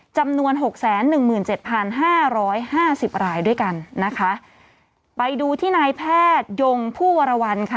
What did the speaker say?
หกแสนหนึ่งหมื่นเจ็ดพันห้าร้อยห้าสิบรายด้วยกันนะคะไปดูที่นายแพทยงผู้วรวรรณค่ะ